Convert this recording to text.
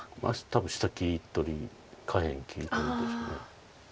多分下切り取り下辺切り取りでしょう。